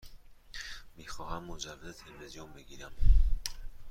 می خواهم مجوز تلویزیون بگیرم.